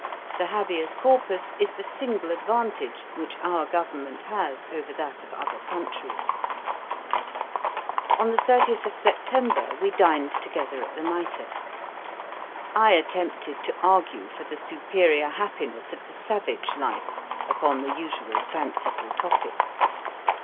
The habeas corpus is the single advantage which our government has over that of other countries.' On the 30th of September we dined together at the Mitre. I attempted to argue for the superior happiness of the savage life, upon the usual fanciful topicks.